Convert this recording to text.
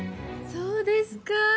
そうですか。